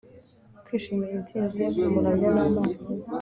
kwishimira intsinzi ye, kumuramya n'amaso ye